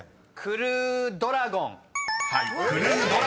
「クルードラゴン」です］